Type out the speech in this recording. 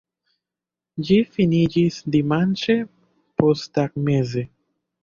Ĝi finiĝis dimanĉe posttagmeze.